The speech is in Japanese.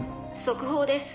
「速報です」